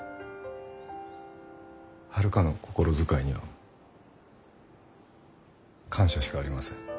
遥の心遣いには感謝しかありません。